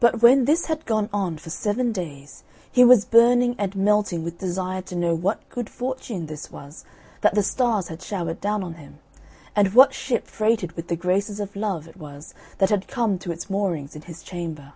But when this had gone on for seven days, he was burning and melting with desire to know what good fortune this was that the stars had showered down on him, and what ship freighted with the graces of Love it was that had come to its moorings in his chamber.